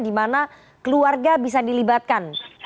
dimana keluarga bisa dilibatkan